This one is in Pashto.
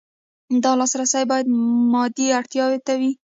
دا لاسرسی باید مادي اړتیاوو ته وي.